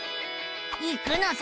行くのさ！